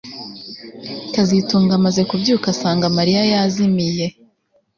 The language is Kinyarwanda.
kazitunga amaze kubyuka asanga Mariya yazimiye